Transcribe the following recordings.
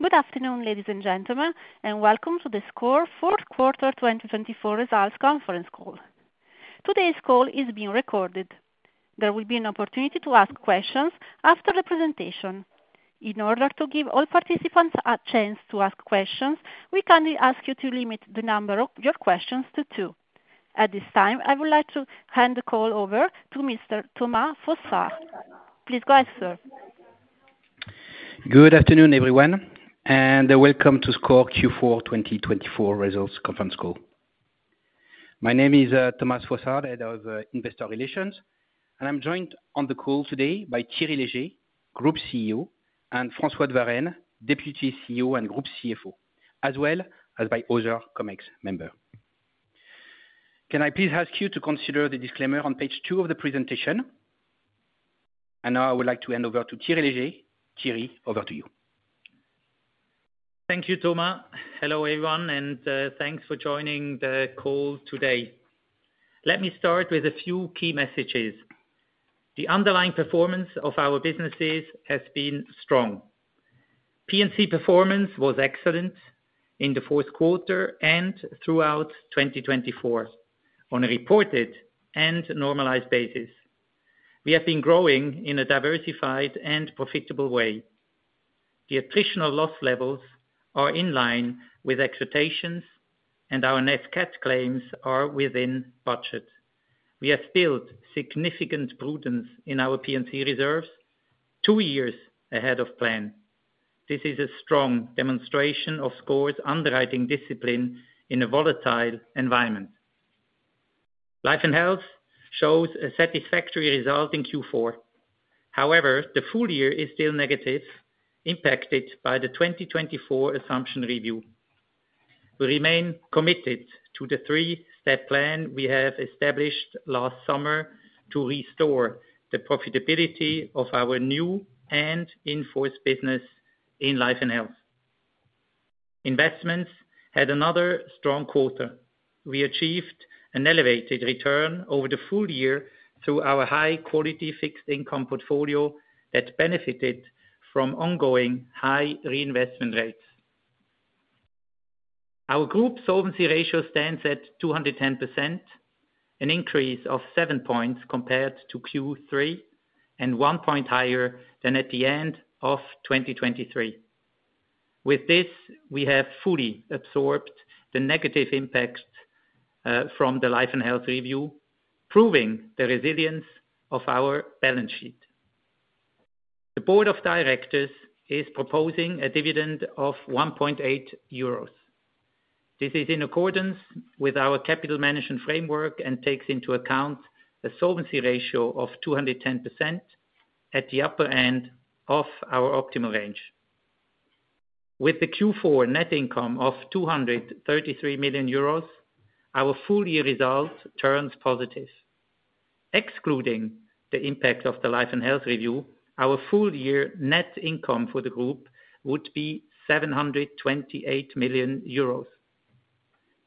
Good afternoon, ladies and gentlemen, and welcome to the SCOR 4th Quarter 2024 Results Conference Call. Today's call is being recorded. There will be an opportunity to ask questions after the presentation. In order to give all participants a chance to ask questions, we kindly ask you to limit the number of your questions to two. At this time, I would like to hand the call over to Mr. Thomas Fossard. Please go ahead, sir. Good afternoon, everyone, and welcome to SCOR Q4 2024 Results Conference Call. My name is Thomas Fossard, Head of Investor Relations, and I'm joined on the call today by Thierry Léger, Group CEO, and François de Varenne, Deputy CEO and Group CFO, as well as by other ComEx members. Can I please ask you to consider the disclaimer on page two of the presentation? And now I would like to hand over to Thierry Léger. Thierry, over to you. Thank you, Thomas. Hello, everyone, and thanks for joining the call today. Let me start with a few key messages. The underlying performance of our businesses has been strong. P&C performance was excellent in the fourth quarter and throughout 2024 on a reported and normalized basis. We have been growing in a diversified and profitable way. The attritional loss levels are in line with expectations, and our net cat claims are within budget. We have built significant prudence in our P&C reserves, two years ahead of plan. This is a strong demonstration of SCOR's underwriting discipline in a volatile environment. Life and health shows a satisfactory result in Q4. However, the full year is still negative, impacted by the 2024 assumption review. We remain committed to the three-step plan we have established last summer to restore the profitability of our new and in-force business in Life and Health. Investments had another strong quarter. We achieved an elevated return over the full year through our high-quality fixed income portfolio that benefited from ongoing high reinvestment rates. Our group solvency ratio stands at 210%, an increase of seven points compared to Q3, and one point higher than at the end of 2023. With this, we have fully absorbed the negative impact from the Life and Health review, proving the resilience of our balance sheet. The board of directors is proposing a dividend of 1.8 euros. This is in accordance with our capital management framework and takes into account a solvency ratio of 210% at the upper end of our optimal range. With the Q4 net income of 233 million euros, our full-year result turns positive. Excluding the impact of the Life and Health review, our full-year net income for the group would be 728 million euros,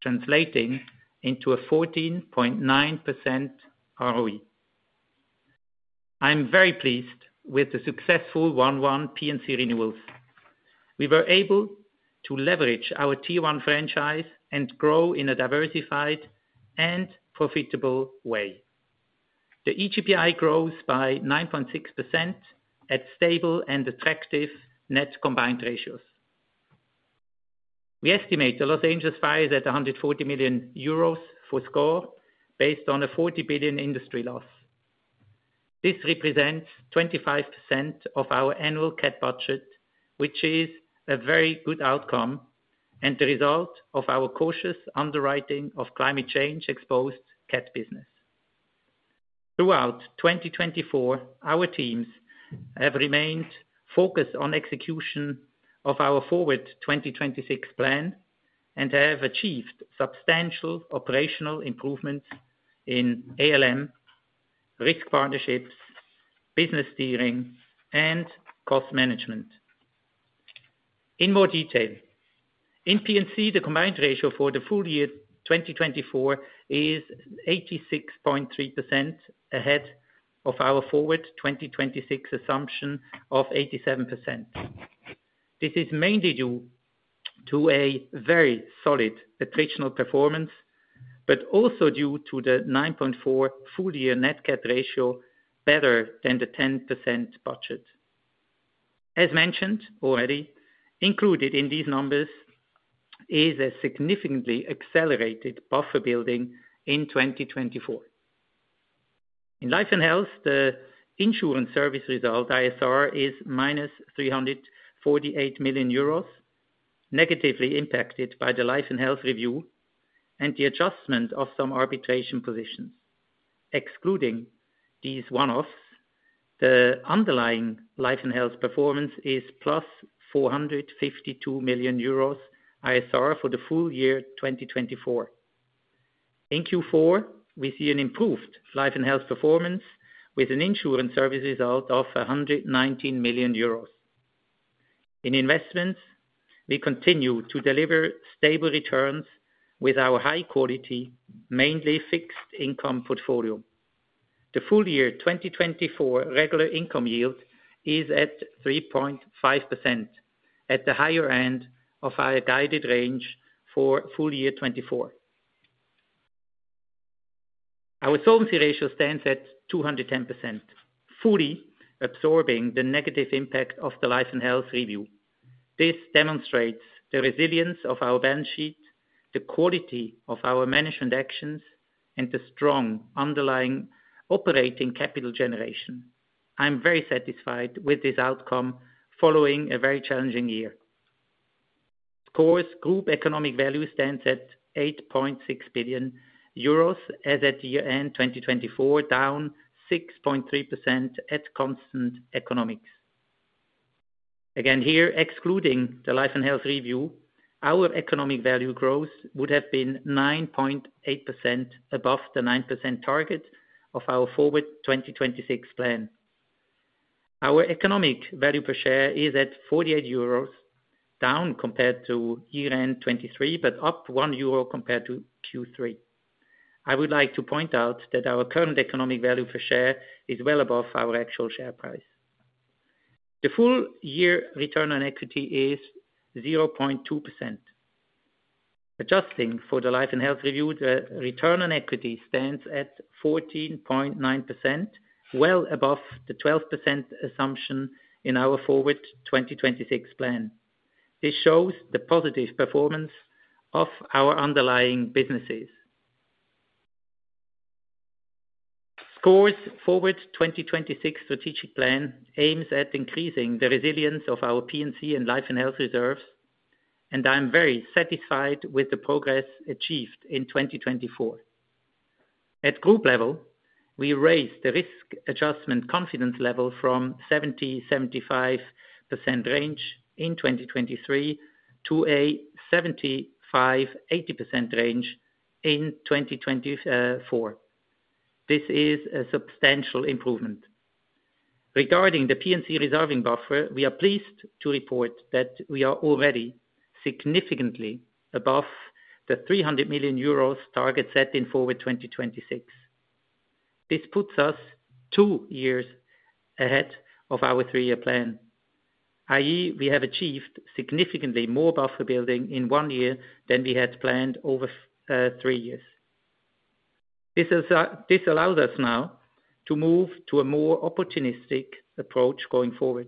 translating into a 14.9% ROE. I'm very pleased with the successful 1/1 P&C renewals. We were able to leverage our Tier 1 franchise and grow in a diversified and profitable way. The EGPI grows by 9.6% at stable and attractive net combined ratios. We estimate the Los Angeles fire at 140 million euros for SCOR, based on a 40 billion industry loss. This represents 25% of our annual cat budget, which is a very good outcome and the result of our cautious underwriting of climate change-exposed cat business. Throughout 2024, our teams have remained focused on execution of our Forward 2026 plan and have achieved substantial operational improvements in ALM, risk partnerships, business steering, and cost management. In more detail, in P&C, the combined ratio for the full year 2024 is 86.3% ahead of our Forward 2026 assumption of 87%. This is mainly due to a very solid attritional performance, but also due to the 9.4 full-year net cat ratio better than the 10% budget. As mentioned already, included in these numbers is a significantly accelerated buffer building in 2024. In Life and Health, the insurance service result ISR is €348 million, negatively impacted by the Life and Health review and the adjustment of some arbitrage positions. Excluding these one-offs, the underlying Life and Health performance is €452 million ISR for the full year 2024. In Q4, we see an improved Life and Health performance with an insurance service result of €119 million. In investments, we continue to deliver stable returns with our high-quality, mainly fixed income portfolio. The full year 2024 regular income yield is at 3.5%, at the higher end of our guided range for full year 2024. Our solvency ratio stands at 210%, fully absorbing the negative impact of the Life and Health review. This demonstrates the resilience of our balance sheet, the quality of our management actions, and the strong underlying operating capital generation. I'm very satisfied with this outcome following a very challenging year. SCOR's group economic value stands at €8.6 billion, as at year-end 2024, down 6.3% at constant economics. Again here, excluding the Life and Health review, our economic value growth would have been 9.8% above the 9% target of our forward 2026 plan. Our economic value per share is at €48, down compared to year-end 2023, but up €1 compared to Q3. I would like to point out that our current economic value per share is well above our actual share price. The full-year return on equity is 0.2%. Adjusting for the Life and Health review, the return on equity stands at 14.9%, well above the 12% assumption in our Forward 2026 plan. This shows the positive performance of our underlying businesses. SCOR's Forward 2026 strategic plan aims at increasing the resilience of our P&C and Life and Health reserves, and I'm very satisfied with the progress achieved in 2024. At group level, we raised the risk adjustment confidence level from 70%-75% range in 2023 to a 75%-80% range in 2024. This is a substantial improvement. Regarding the P&C reserving buffer, we are pleased to report that we are already significantly above the 300 million euros target set in Forward 2026. This puts us two years ahead of our three-year plan, i.e., we have achieved significantly more buffer building in one year than we had planned over three years. This allows us now to move to a more opportunistic approach going forward.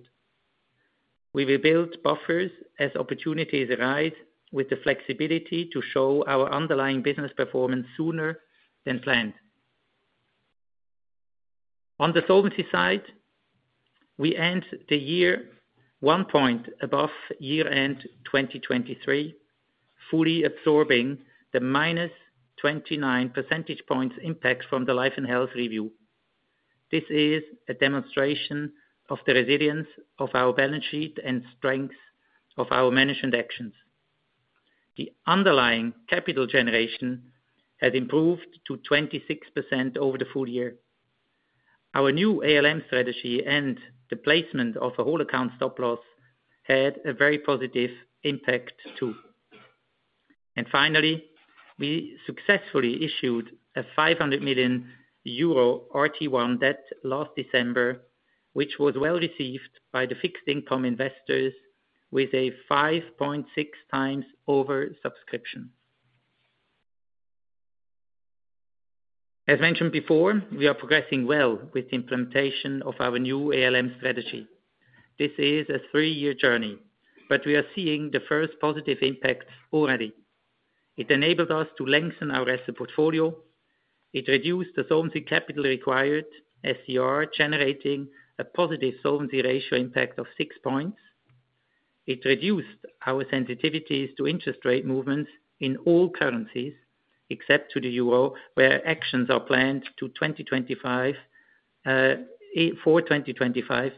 We will build buffers as opportunities arise, with the flexibility to show our underlying business performance sooner than planned. On the solvency side, we end the year one point above year-end 2023, fully absorbing the minus 29 percentage points impact from the Life and Health review. This is a demonstration of the resilience of our balance sheet and strengths of our management actions. The underlying capital generation has improved to 26% over the full year. Our new ALM strategy and the placement of a whole account stop-loss had a very positive impact too, and finally, we successfully issued 500 million euro RT1 debt last December, which was well received by the fixed income investors with a 5.6 times oversubscription. As mentioned before, we are progressing well with the implementation of our new ALM strategy. This is a three-year journey, but we are seeing the first positive impacts already. It enabled us to lengthen our asset portfolio. It reduced the solvency capital required, SCR, generating a positive solvency ratio impact of six points. It reduced our sensitivities to interest rate movements in all currencies except to the euro, where actions are planned for 2025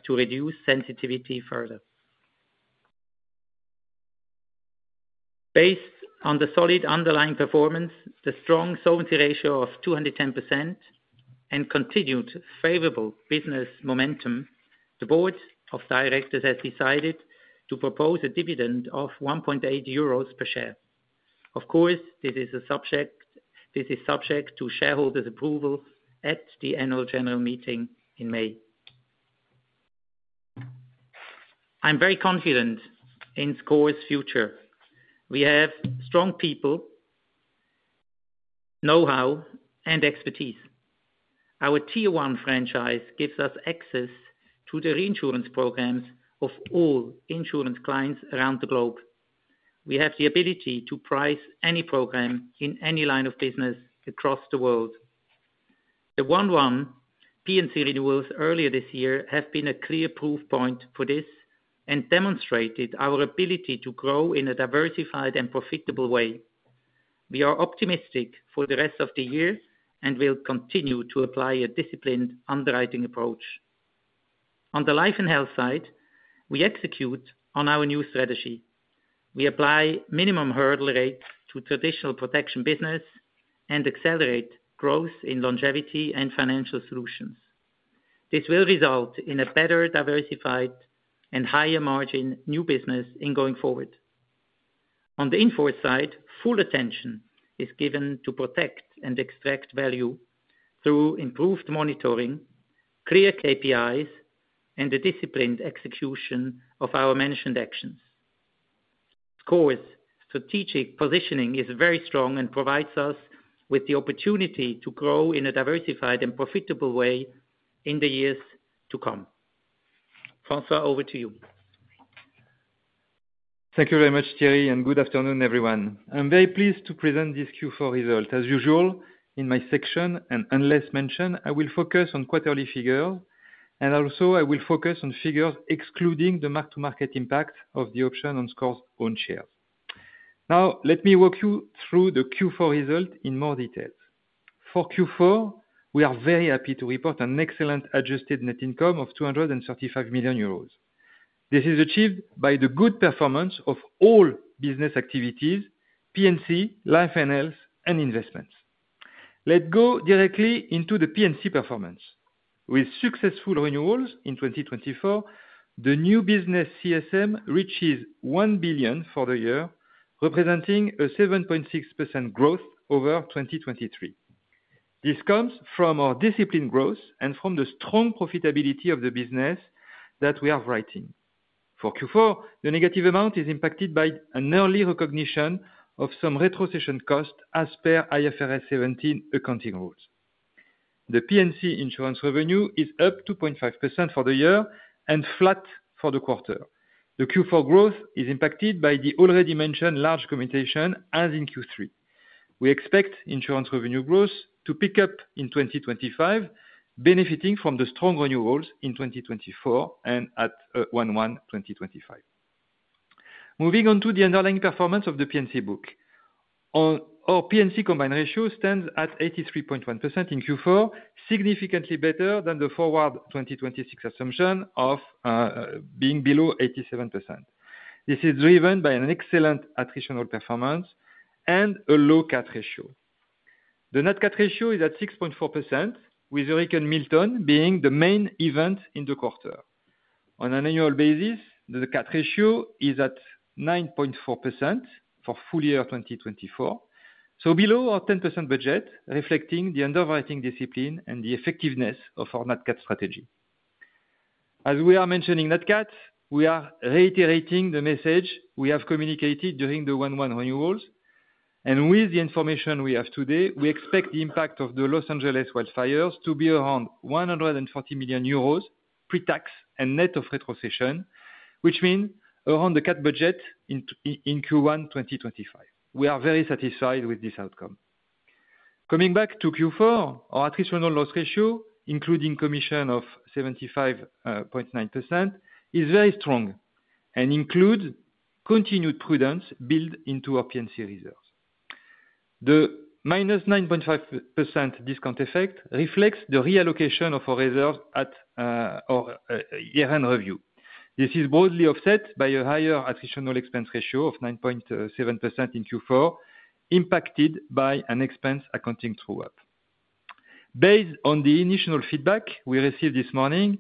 to reduce sensitivity further. Based on the solid underlying performance, the strong solvency ratio of 210%, and continued favorable business momentum, the board of directors has decided to propose a dividend of 1.8 euros per share. Of course, this is subject to shareholders' approval at the annual general meeting in May. I'm very confident in SCOR's future. We have strong people, know-how, and expertise. Our Tier 1 franchise gives us access to the reinsurance programs of all insurance clients around the globe. We have the ability to price any program in any line of business across the world. The 1/1 P&C renewals earlier this year have been a clear proof point for this and demonstrated our ability to grow in a diversified and profitable way. We are optimistic for the rest of the year and will continue to apply a disciplined underwriting approach. On the Life and Health side, we execute on our new strategy. We apply minimum hurdle rates to traditional protection business and accelerate growth in longevity and financial solutions. This will result in a better diversified and higher margin new business going forward. On the in-force side, full attention is given to protect and extract value through improved monitoring, clear KPIs, and the disciplined execution of our management actions. SCOR's strategic positioning is very strong and provides us with the opportunity to grow in a diversified and profitable way in the years to come. François, over to you. Thank you very much, Thierry, and good afternoon, everyone. I'm very pleased to present this Q4 result. As usual, in my section and unless mentioned, I will focus on quarterly figures, and also I will focus on figures excluding the mark-to-market impact of the option on SCOR's own shares. Now, let me walk you through the Q4 result in more detail. For Q4, we are very happy to report an excellent adjusted net income of 235 million euros. This is achieved by the good performance of all business activities, P&C, Life and Health, and investments. Let's go directly into the P&C performance. With successful renewals in 2024, the new business CSM reaches 1 billion for the year, representing a 7.6% growth over 2023. This comes from our disciplined growth and from the strong profitability of the business that we are writing. For Q4, the negative amount is impacted by an early recognition of some retrocession costs as per IFRS 17 accounting rules. The P&C insurance revenue is up 2.5% for the year and flat for the quarter. The Q4 growth is impacted by the already mentioned large commutation, as in Q3. We expect insurance revenue growth to pick up in 2025, benefiting from the strong renewals in 2024 and at 1/1 2025. Moving on to the underlying performance of the P&C book. Our P&C combined ratio stands at 83.1% in Q4, significantly better than the forward 2026 assumption of being below 87%. This is driven by an excellent attritional performance and a low cat ratio. The net cat ratio is at 6.4%, with Hurricane Milton being the main event in the quarter. On an annual basis, the cat ratio is at 9.4% for full year 2024, so below our 10% budget, reflecting the underwriting discipline and the effectiveness of our net cat strategy. As we are mentioning net cat, we are reiterating the message we have communicated during the 1/1 renewals, and with the information we have today, we expect the impact of the Los Angeles wildfires to be around 140 million euros pre-tax and net of retrocession, which means around the cat budget in Q1 2025. We are very satisfied with this outcome. Coming back to Q4, our attritional loss ratio, including commission of 75.9%, is very strong and includes continued prudence built into our P&C reserves. The minus 9.5% discount effect reflects the reallocation of our reserves at our year-end review. This is broadly offset by a higher attritional expense ratio of 9.7% in Q4, impacted by an expense accounting true-up. Based on the initial feedback we received this morning,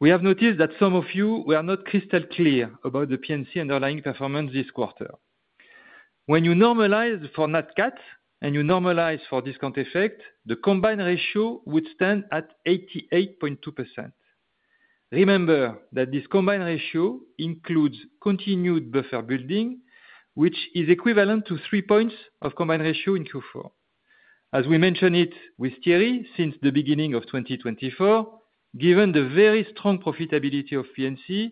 we have noticed that some of you were not crystal clear about the P&C underlying performance this quarter. When you normalize for net cat and you normalize for discount effect, the combined ratio would stand at 88.2%. Remember that this combined ratio includes continued buffer building, which is equivalent to three points of combined ratio in Q4. As we mentioned it with Thierry since the beginning of 2024, given the very strong profitability of P&C,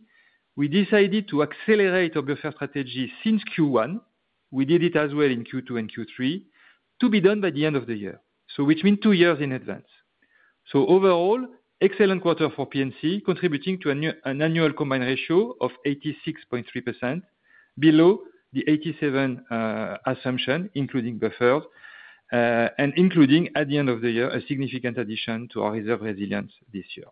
we decided to accelerate our buffer strategy since Q1. We did it as well in Q2 and Q3, to be done by the end of the year, which means two years in advance. So overall, excellent quarter for P&C, contributing to an annual combined ratio of 86.3%, below the 87% assumption, including buffers, and including, at the end of the year, a significant addition to our reserve resilience this year.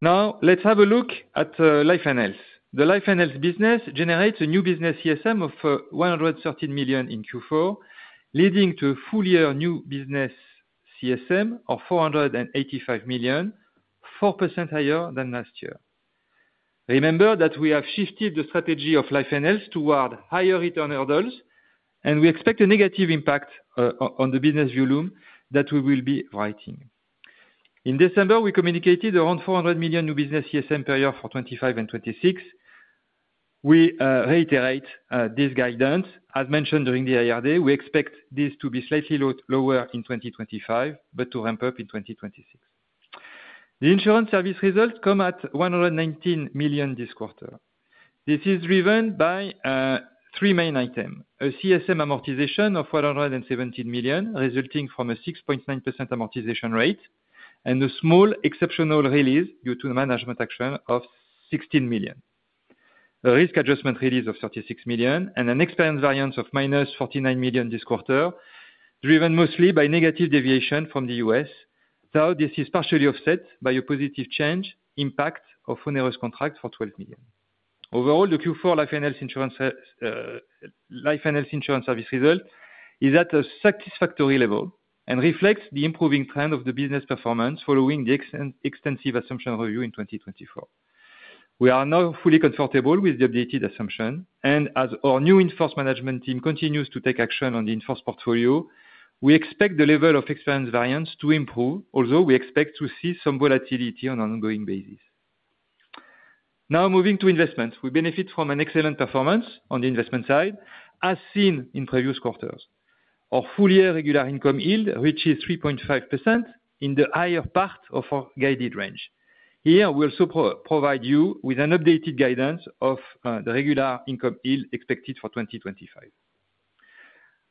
Now, let's have a look at Life and Health. The Life and Health business generates a new business CSM of €113 million in Q4, leading to a full year new business CSM of €485 million, 4% higher than last year. Remember that we have shifted the strategy of Life and Health toward higher return hurdles, and we expect a negative impact on the business volume that we will be writing. In December, we communicated around €400 million new business CSM per year for 2025 and 2026. We reiterate this guidance. As mentioned during the Investor Day, we expect this to be slightly lower in 2025, but to ramp up in 2026. The insurance service result comes at €119 million this quarter. This is driven by three main items: a CSM amortization of €117 million, resulting from a 6.9% amortization rate, and a small exceptional release due to the management action of €16 million. A risk adjustment release of €36 million and an expense variance of minus €49 million this quarter, driven mostly by negative deviation from the U.S., though this is partially offset by a positive change impact of onerous contract for €12 million. Overall, the Q4 Life and Health insurance service result is at a satisfactory level and reflects the improving trend of the business performance following the extensive assumption review in 2024. We are now fully comfortable with the updated assumption, and as our new inforce management team continues to take action on the inforce portfolio, we expect the level of expense variance to improve, although we expect to see some volatility on an ongoing basis. Now, moving to investments, we benefit from an excellent performance on the investment side, as seen in previous quarters. Our full year regular income yield reaches 3.5% in the higher part of our guided range. Here, we also provide you with an updated guidance of the regular income yield expected for 2025.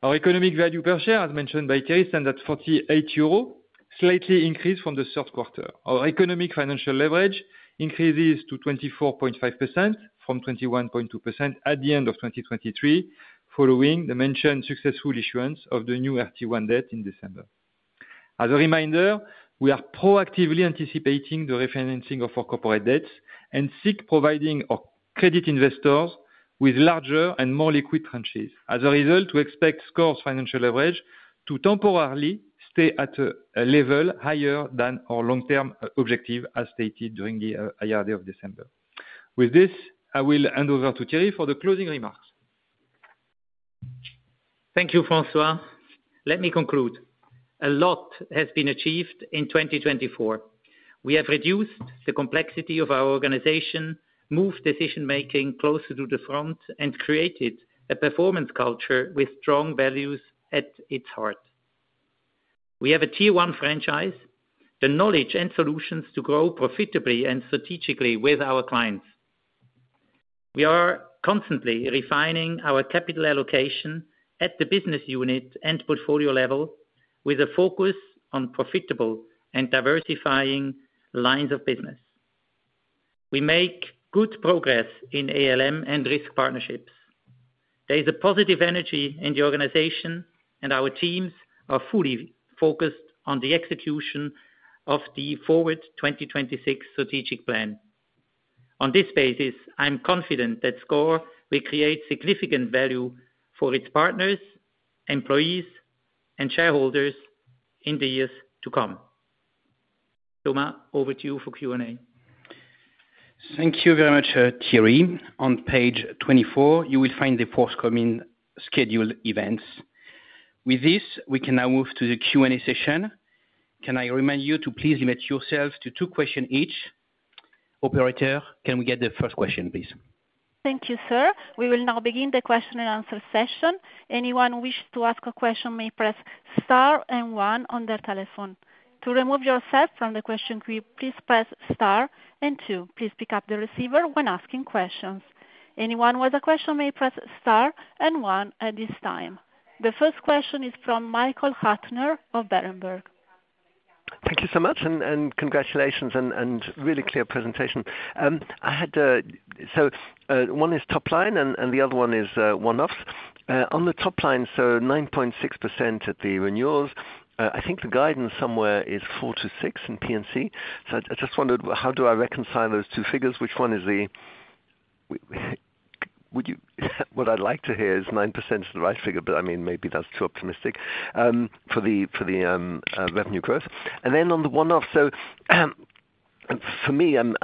Our economic value per share, as mentioned by Thierry, stands at €48, slightly increased from the third quarter. Our economic financial leverage increases to 24.5% from 21.2% at the end of 2023, following the mentioned successful issuance of the new RT1 debt in December. As a reminder, we are proactively anticipating the refinancing of our corporate debts and seek providing our credit investors with larger and more liquid tranches. As a result, we expect SCOR's financial leverage to temporarily stay at a level higher than our long-term objective, as stated during the Investor Day of December. With this, I will hand over to Thierry for the closing remarks. Thank you, François. Let me conclude. A lot has been achieved in 2024. We have reduced the complexity of our organization, moved decision-making closer to the front, and created a performance culture with strong values at its heart. We have a Tier 1 franchise, the knowledge and solutions to grow profitably and strategically with our clients. We are constantly refining our capital allocation at the business unit and portfolio level, with a focus on profitable and diversifying lines of business. We make good progress in ALM and risk partnerships. There is a positive energy in the organization, and our teams are fully focused on the execution of the Forward 2026 strategic plan. On this basis, I'm confident that SCOR will create significant value for its partners, employees, and shareholders in the years to come. Thomas, over to you for Q&A. Thank you very much, Thierry. On page 24, you will find the forthcoming scheduled events. With this, we can now move to the Q&A session. Can I remind you to please limit yourself to two questions each? Operator, can we get the first question, please? Thank you, sir. We will now begin the question-and-answer session. Anyone who wishes to ask a question may press Star and One on their telephone. To remove yourself from the question queue, please press Star and Two. Please pick up the receiver when asking questions. Anyone with a question may press Star and One at this time. The first question is from Michael Huttner of Berenberg. Thank you so much, and congratulations, and really clear presentation. I had to, so one is top line, and the other one is one-offs. On the top line, so 9.6% at the renewals, I think the guidance somewhere is 4-6% in P&C. So I just wondered, how do I reconcile those two figures? Which one is the, what I'd like to hear is 9% is the right figure, but I mean, maybe that's too optimistic for the revenue growth. And then on the one-off, so for me, I'm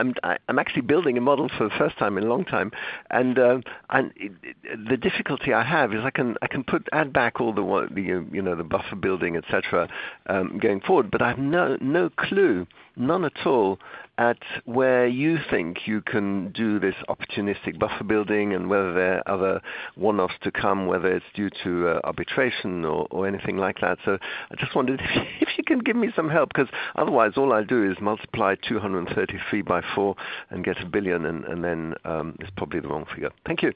actually building a model for the first time in a long time. The difficulty I have is I can add back all the buffer building, etc., going forward, but I have no clue, none at all, at where you think you can do this opportunistic buffer building and whether there are other one-offs to come, whether it's due to arbitration or anything like that. So I just wondered if you can give me some help, because otherwise, all I do is multiply 233 by four and get a billion, and then it's probably the wrong figure. Thank you.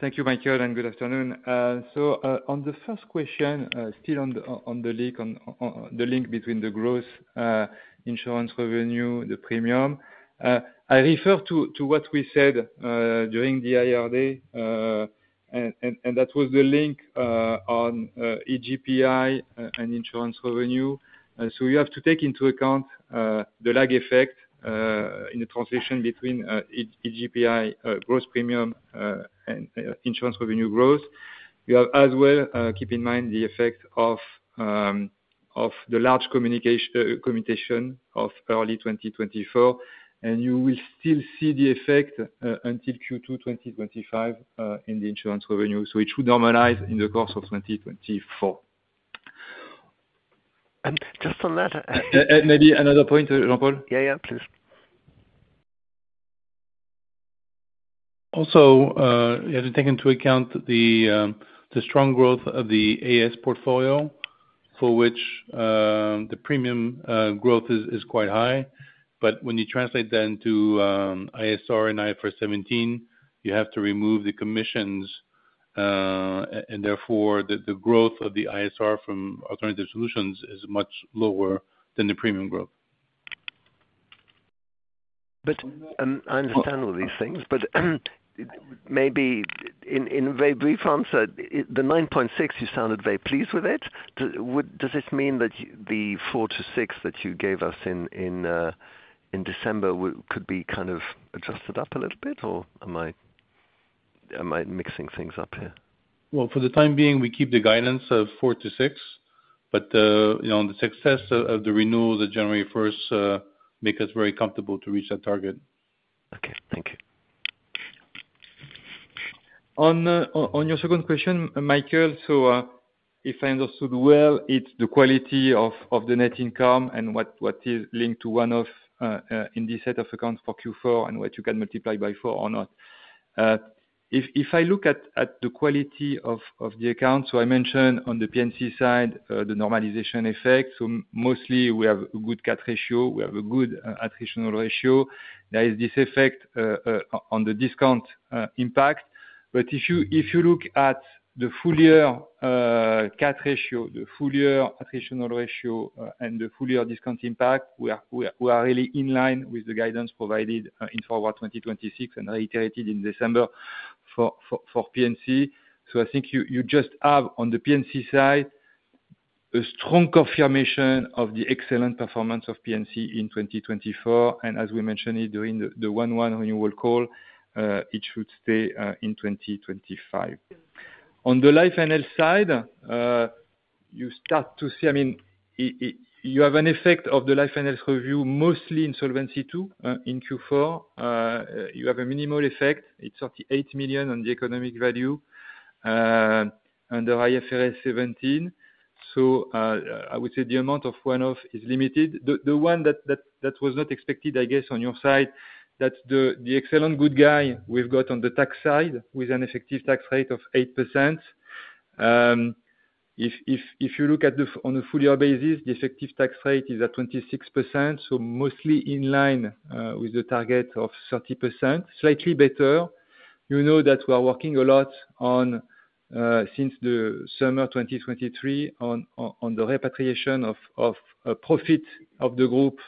Thank you, Michael, and good afternoon. On the first question, still on the link between the growth, insurance revenue, the premium, I refer to what we said during the Investor Day, and that was the link on EGPI and insurance revenue. You have to take into account the lag effect in the transition between EGPI growth premium and insurance revenue growth. You have as well to keep in mind the effect of the large commutation of early 2024, and you will still see the effect until Q2 2025 in the insurance revenue. So it should normalize in the course of 2024. And just on that. Maybe another point Michael? Yeah, yeah, please. Also, you have to take into account the strong growth of the AS portfolio, for which the premium growth is quite high. But when you translate that into ISR and IFRS 17, you have to remove the commissions, and therefore, the growth of the ISR from alternative solutions is much lower than the premium growth. But I understand all these things, but maybe in a very brief answer, the 9.6, you sounded very pleased with it. Does this mean that the four to six that you gave us in December could be kind of adjusted up a little bit, or am I mixing things up here? Well, for the time being, we keep the guidance of four to six, but the success of the renewals of January 1st makes us very comfortable to reach that target. Okay, thank you. On your second question, Michael, so if I understood well, it's the quality of the net income and what is linked to one-off in this set of accounts for Q4 and what you can multiply by four or not. If I look at the quality of the accounts, so I mentioned on the P&C side, the normalization effect, so mostly we have a good combined ratio, we have a good attritional ratio. There is this effect on the discount impact, but if you look at the full year combined ratio, the full year attritional ratio, and the full year discount impact, we are really in line with the guidance provided in Forward 2026 and reiterated in December for P&C. So I think you just have on the P&C side a strong confirmation of the excellent performance of P&C in 2024, and as we mentioned during the 1/1 renewal call, it should stay in 2025. On the Life and Health side, you start to see, I mean, you have an effect of the Life and Health review mostly in Solvency II in Q4. You have a minimal effect. It's €38 million on the Economic Value under IFRS 17. So I would say the amount of one-off is limited. The one that was not expected, I guess, on your side, that's the excellent good guy we've got on the tax side with an effective tax rate of 8%. If you look at the full year basis, the effective tax rate is at 26%, so mostly in line with the target of 30%, slightly better. You know that we are working a lot since the summer 2023 on the repatriation of profit of the group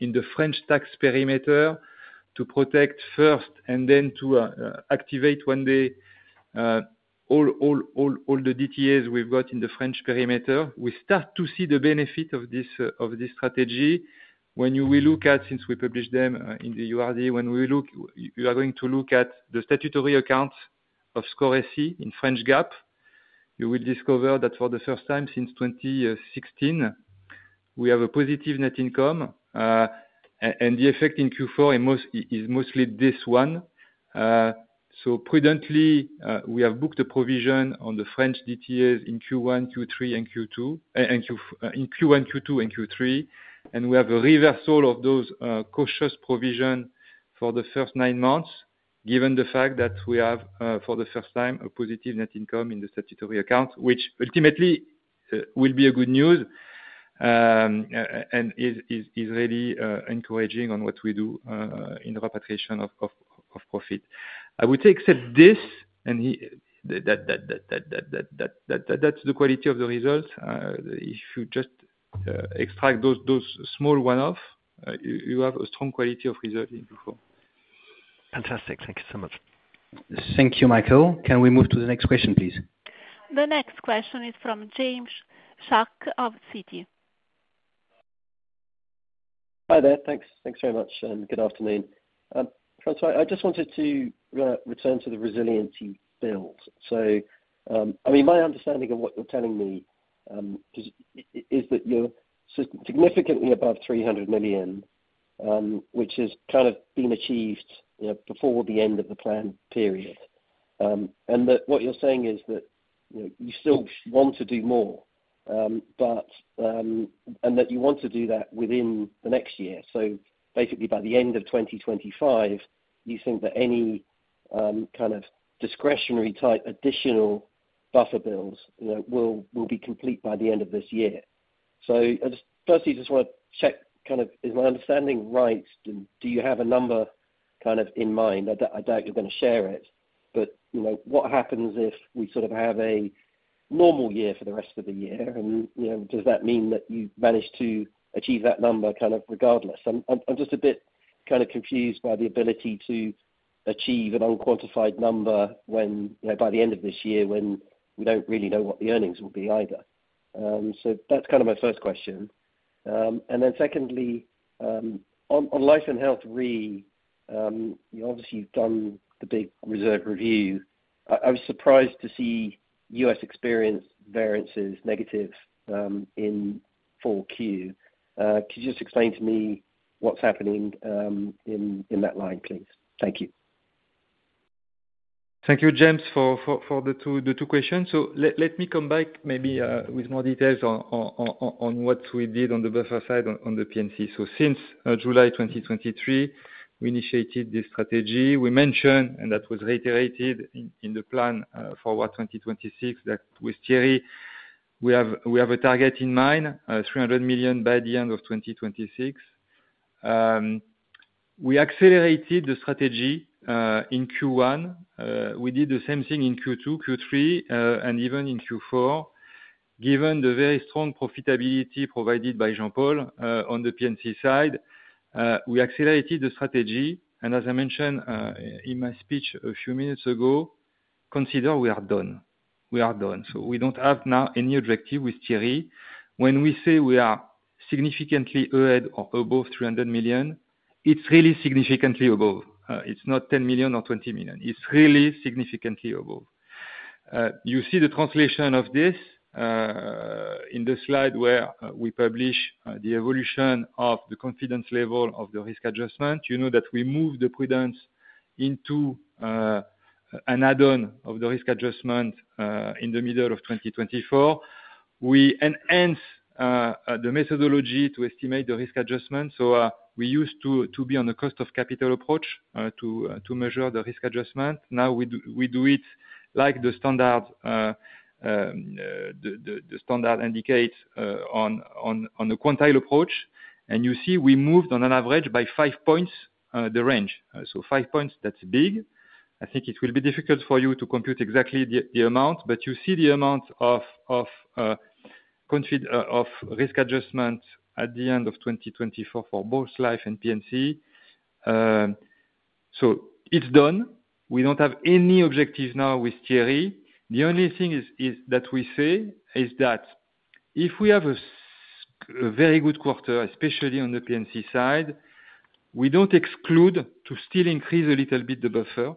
in the French tax perimeter to protect first and then to activate one day all the DTAs we've got in the French perimeter. We start to see the benefit of this strategy when you will look at, since we published them in the URD, you are going to look at the statutory accounts of SCOR SE in French GAAP. You will discover that for the first time since 2016, we have a positive net income, and the effect in Q4 is mostly this one. So prudently, we have booked a provision on the French DTAs in Q1, Q2, and Q1, Q2, and Q3, and we have a reversal of those cautious provisions for the first nine months, given the fact that we have, for the first time, a positive net income in the statutory account, which ultimately will be good news and is really encouraging on what we do in repatriation of profit. I would say, except this, and that's the quality of the results. If you just extract those small one-offs, you have a strong quality of result in Q4. Fantastic. Thank you so much. Thank you, Michael. Can we move to the next question, please? The next question is from James Shuck of Citi. Hi there. Thanks very much, and good afternoon. François, I just wanted to return to the resiliency build. So I mean, my understanding of what you're telling me is that you're significantly above 300 million, which has kind of been achieved before the end of the plan period. And what you're saying is that you still want to do more, and that you want to do that within the next year. So basically, by the end of 2025, you think that any kind of discretionary type additional buffer builds will be complete by the end of this year. So firstly, I just want to check, kind of, is my understanding right? Do you have a number kind of in mind? I doubt you're going to share it, but what happens if we sort of have a normal year for the rest of the year? And does that mean that you manage to achieve that number kind of regardless? I'm just a bit kind of confused by the ability to achieve an unquantified number by the end of this year when we don't really know what the earnings will be either. So that's kind of my first question. And then secondly, on Life and Health re, obviously, you've done the big reserve review. I was surprised to see US experience variances negative in Q4. Could you just explain to me what's happening in that line, please? Thank you. Thank you, James, for the two questions. So let me come back maybe with more details on what we did on the buffer side on the P&C. So since July 2023, we initiated this strategy. We mentioned, and that was reiterated in the Forward 2026, that with Thierry, we have a target in mind, 300 million by the end of 2026. We accelerated the strategy in Q1. We did the same thing in Q2, Q3, and even in Q4. Given the very strong profitability provided by Jean-Paul on the P&C side, we accelerated the strategy. And as I mentioned in my speech a few minutes ago, consider we are done. We are done. So we don't have now any objective with Thierry. When we say we are significantly ahead or above 300 million, it's really significantly above. It's not 10 million or 20 million. It's really significantly above. You see the translation of this in the slide where we publish the evolution of the confidence level of the risk adjustment. You know that we moved the prudence into an add-on of the risk adjustment in the middle of 2024. We enhance the methodology to estimate the risk adjustment. So we used to be on a cost of capital approach to measure the risk adjustment. Now we do it like the standard indicates on a quantile approach. And you see we moved on an average by five points the range. So five points, that's big. I think it will be difficult for you to compute exactly the amount, but you see the amount of risk adjustment at the end of 2024 for both life and P&C. So it's done. We don't have any objective now with Thierry. The only thing that we say is that if we have a very good quarter, especially on the P&C side, we don't exclude to still increase a little bit the buffer,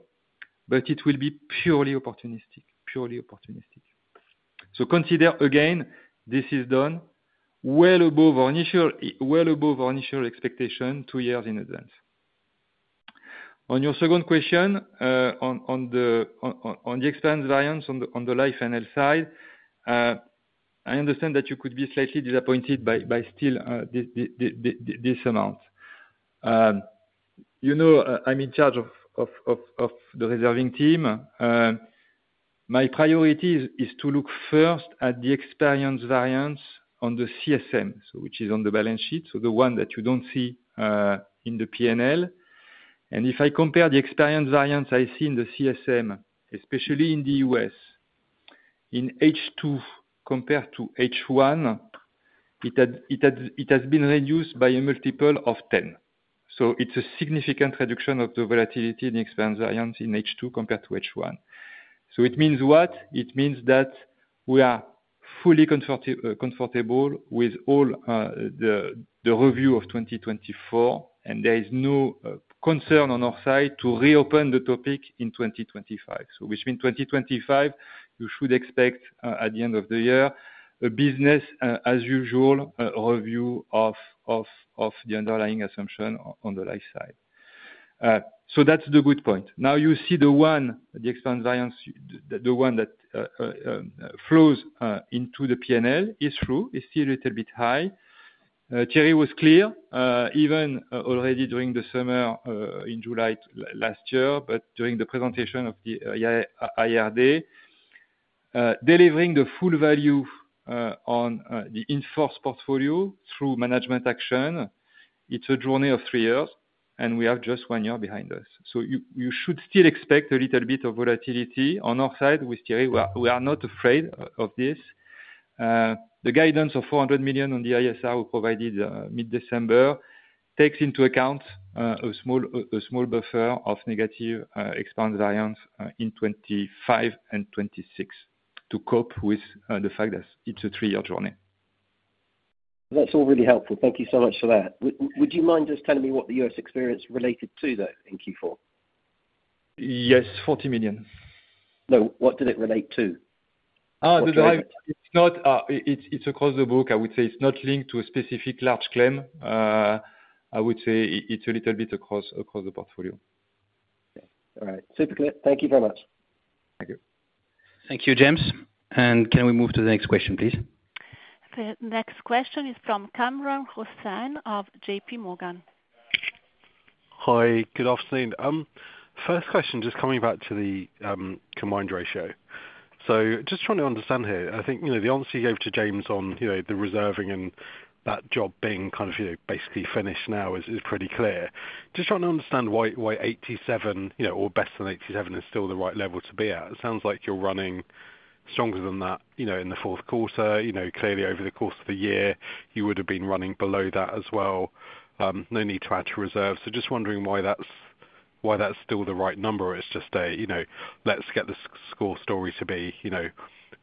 but it will be purely opportunistic. Purely opportunistic. So consider, again, this is done well above our initial expectation two years in advance. On your second question on the expense variance on the Life and Health side, I understand that you could be slightly disappointed by still this amount. I'm in charge of the reserving team. My priority is to look first at the experience variance on the CSM, which is on the balance sheet, so the one that you don't see in the P&L. And if I compare the experience variance I see in the CSM, especially in the US, in H2 compared to H1, it has been reduced by a multiple of 10. So it's a significant reduction of the volatility in the experience variance in H2 compared to H1. So it means what? It means that we are fully comfortable with all the review of 2024, and there is no concern on our side to reopen the topic in 2025. So which means 2025, you should expect at the end of the year, a business-as-usual review of the underlying assumption on the life side. So that's the good point. Now you see the one, the expense variance, the one that flows into the P&L is true. It's still a little bit high. Thierry was clear, even already during the summer in July last year, but during the presentation of the Investor Day, delivering the full value on the in-force portfolio through management action, it's a journey of three years, and we have just one year behind us. So you should still expect a little bit of volatility on our side with Thierry. We are not afraid of this. The guidance of €400 million on the ISR we provided mid-December takes into account a small buffer of negative expense variance in 2025 and 2026 to cope with the fact that it's a three-year journey. That's all really helpful. Thank you so much for that. Would you mind just telling me what the U.S. experience related to, though, in Q4? Yes, €40 million. No, what did it relate to? Oh, it's across the book. I would say it's not linked to a specific large claim. I would say it's a little bit across the portfolio. All right. Super clear. Thank you very much. Thank you. Thank you, James. And can we move to the next question, please? The next question is from Kamran Hossain of J.P. Morgan. Hi, good afternoon. First question, just coming back to the combined ratio. So just trying to understand here, I think the answer you gave to James on the reserving and that job being kind of basically finished now is pretty clear. Just trying to understand why 87, or bet on 87, is still the right level to be at. It sounds like you're running stronger than that in the fourth quarter. Clearly, over the course of the year, you would have been running below that as well. No need to add to reserve. So just wondering why that's still the right number, or it's just a, let's get the SCOR story to be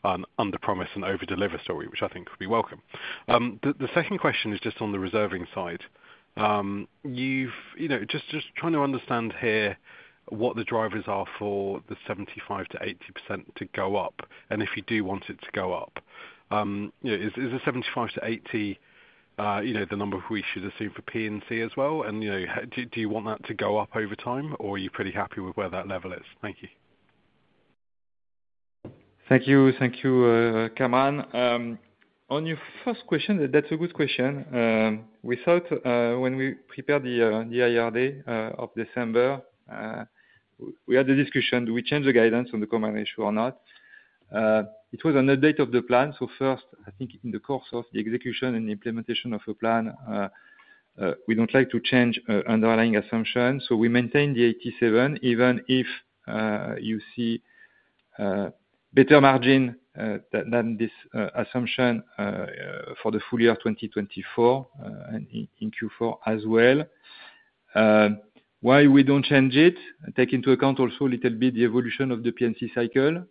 an under-promise and over-deliver story, which I think would be welcome. The second question is just on the reserving side. Just trying to understand here what the drivers are for the 75%-80% to go up, and if you do want it to go up. Is the 75%-80% the number we should assume for P&C as well? And do you want that to go up over time, or are you pretty happy with where that level is? Thank you. Thank you. Thank you, Cameron. On your first question, that's a good question. We thought when we prepared the Investor Day of December, we had a discussion. Do we change the guidance on the combined ratio or not? It was an update of the plan. So first, I think in the course of the execution and implementation of a plan, we don't like to change underlying assumptions. So we maintain the 87%, even if you see better margin than this assumption for the full year 2024 in Q4 as well. Why we don't change it? Take into account also a little bit the evolution of the P&C cycle.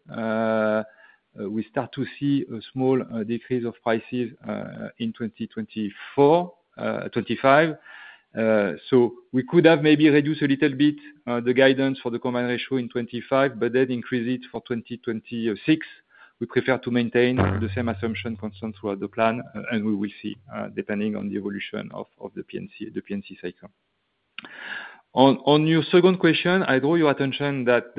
We start to see a small decrease of prices in 2024, 2025. So we could have maybe reduced a little bit the guidance for the combined ratio in 2025, but then increase it for 2026. We prefer to maintain the same assumption constant throughout the plan, and we will see depending on the evolution of the P&C cycle. On your second question, I draw your attention that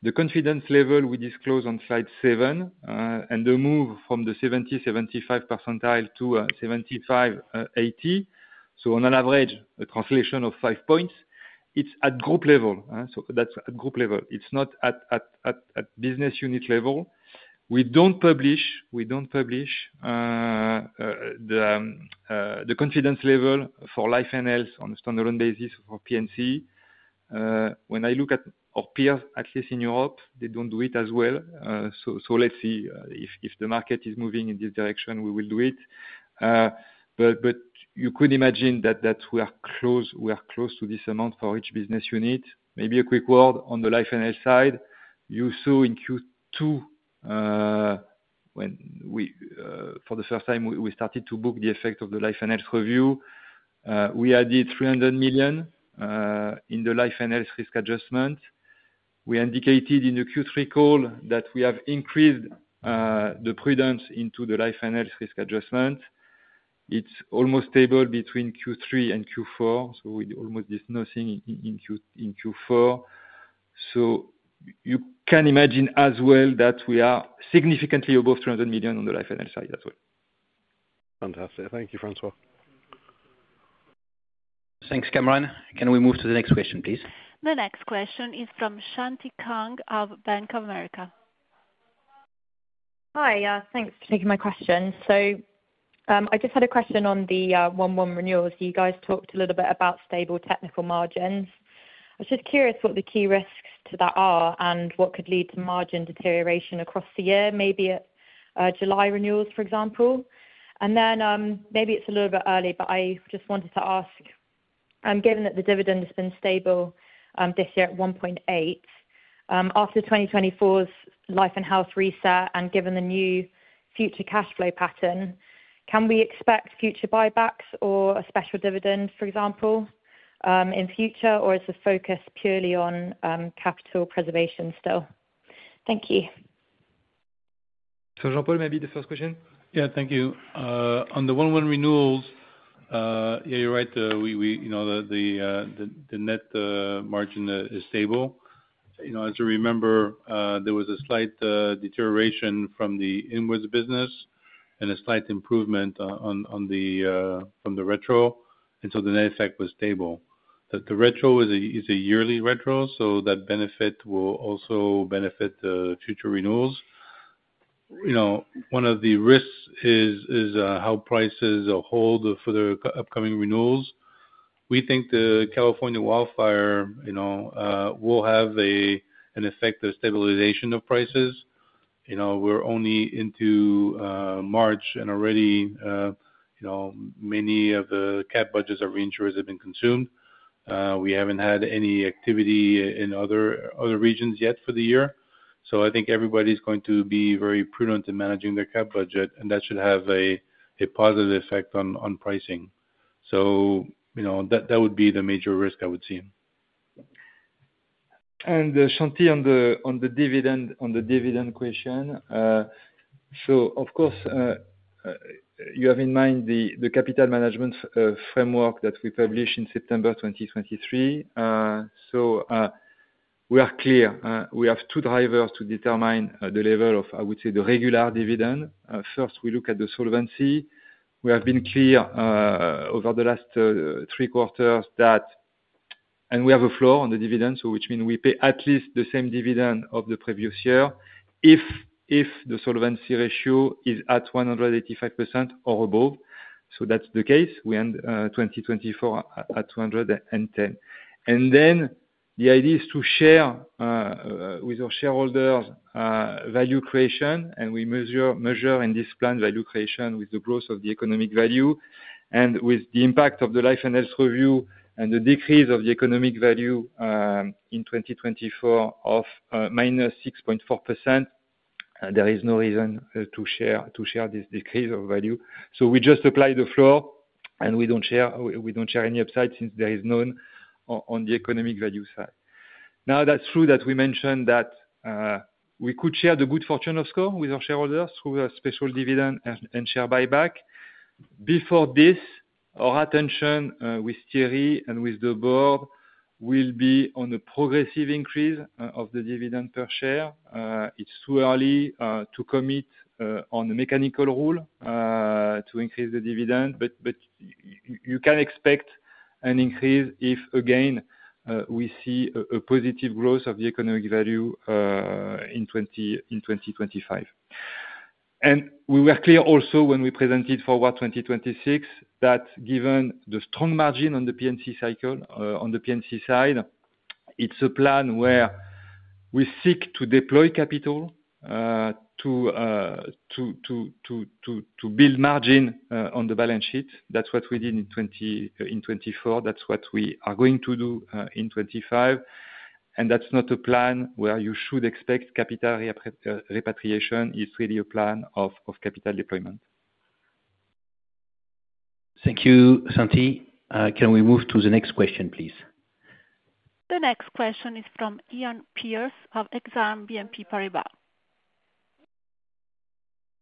the confidence level we disclose on slide 7 and the move from the 70-75 percentile to 75-80, so on an average, a translation of five points, it's at group level. So that's at group level. It's not at business unit level. We don't publish, we don't publish the confidence level for Life and Health on a standalone basis for P&C. When I look at our peers, at least in Europe, they don't do it as well. So let's see if the market is moving in this direction, we will do it. But you could imagine that we are close to this amount for each business unit. Maybe a quick word on the Life and Health side. You saw in Q2, when for the first time we started to book the effect of the Life and Health review, we added 300 million in the Life and Health risk adjustment. We indicated in the Q3 call that we have increased the prudence into the Life and Health risk adjustment. It's almost stable between Q3 and Q4. So we almost did nothing in Q4. So you can imagine as well that we are significantly above 300 million on the Life and Health side as well. Fantastic. Thank you, François. Thanks, Kamran. Can we move to the next question, please? The next question is from Sean Kang of Bank of America. Hi. Thanks for taking my question. So I just had a question on the one-month renewals. You guys talked a little bit about stable technical margins. I was just curious what the key risks to that are and what could lead to margin deterioration across the year, maybe at July renewals, for example. And then, maybe it's a little bit early, but I just wanted to ask, given that the dividend has been stable this year at €1.8, after 2024's Life and Health reset and given the new future cash flow pattern, can we expect future buybacks or a special dividend, for example, in future, or is the focus purely on capital preservation still? Thank you. So, Thierry, maybe the first question. Yeah, thank you. On the 1/1 renewals, yeah, you're right. The net margin is stable. As you remember, there was a slight deterioration from the inwards business and a slight improvement from the retro. And so the net effect was stable. The retro is a yearly retro, so that benefit will also benefit future renewals. One of the risks is how prices hold for the upcoming renewals. We think the California wildfire will have an effect of stabilization of prices. We're only into March, and already many of the cat budgets of reinsurers have been consumed. We haven't had any activity in other regions yet for the year. So I think everybody's going to be very prudent in managing their cat budget, and that should have a positive effect on pricing. So that would be the major risk I would see. And Sean, on the dividend question. So of course, you have in mind the capital management framework that we published in September 2023. So we are clear. We have two drivers to determine the level of, I would say, the regular dividend. First, we look at the solvency. We have been clear over the last three quarters that, and we have a floor on the dividend, which means we pay at least the same dividend of the previous year if the solvency ratio is at 185% or above. So that's the case. We end 2024 at 210. And then the idea is to share with our shareholders value creation, and we measure in this plan value creation with the growth of the Economic Value and with the impact of the Life and Health review and the decrease of the Economic Value in 2024 of -6.4%. There is no reason to share this decrease of value. So we just apply the floor, and we don't share any upside since there is none on the Economic Value side. Now, that's true that we mentioned that we could share the good fortune of SCOR with our shareholders through a special dividend and share buyback. Before this, our attention with Thierry and with the board will be on the progressive increase of the dividend per share. It's too early to commit on the mechanical rule to increase the dividend, but you can expect an increase if, again, we see a positive growth of the economic value in 2025. And we were clear also when we presented Forward 2026, that given the strong margin on the P&C cycle on the P&C side, it's a plan where we seek to deploy capital to build margin on the balance sheet. That's what we did in 2024. That's what we are going to do in 2025. And that's not a plan where you should expect capital repatriation. It's really a plan of capital deployment. Thank you, Sean Kang. Can we move to the next question, please? The next question is from Iain Pearce of Exane BNP Paribas.